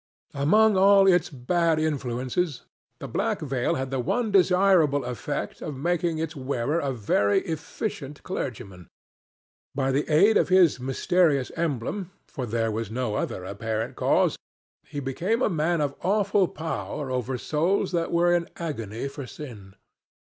Among all its bad influences, the black veil had the one desirable effect of making its wearer a very efficient clergyman. By the aid of his mysterious emblem—for there was no other apparent cause—he became a man of awful power over souls that were in agony for sin.